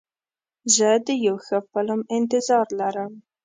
زه د یو ښه فلم انتظار لرم.